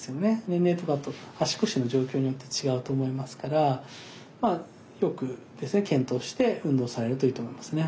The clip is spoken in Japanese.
年齢とかあと足腰の状況によって違うと思いますからよく検討して運動されるといいと思いますね。